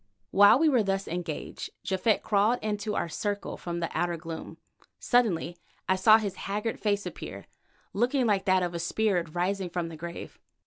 While we were thus engaged, Japhet crawled into our circle from the outer gloom. Suddenly I saw his haggard face appear, looking like that of a spirit rising from the grave.